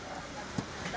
pada saat ini